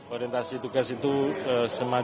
orientasi tugas itu semangat